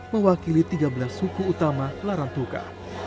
mewakili tiga belas suku utama laran tuka